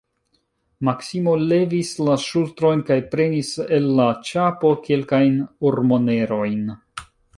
Maksimo levis la ŝultrojn kaj prenis el la ĉapo kelkajn ormonerojn.